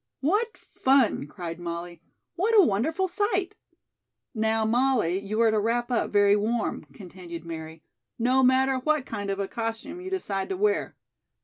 "What fun!" cried Molly. "What a wonderful sight!" "Now, Molly, you are to wrap up very warm," continued Mary, "no matter what kind of a costume you decide to wear.